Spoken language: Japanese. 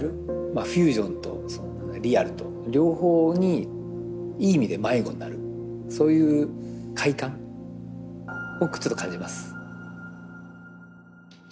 フュージョンとリアルと両方にいい意味で迷子になるそういう快感をちょっと感じます。